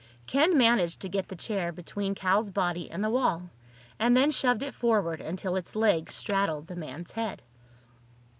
Ken managed to get the chair between Cal's body and the wall, and then shoved it forward until its legs straddled the man's head.